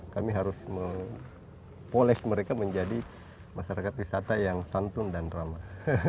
kami harus polis mereka menjadi masyarakat wisata yang santun dan ramah